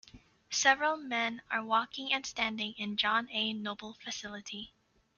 Several men are walking and standing in John A. Noble facility.